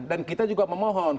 dan kita juga memohon